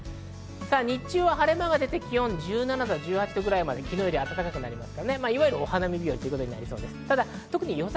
日中は晴れ間が出て、気温は１７１８度、昨日より暖かくなります。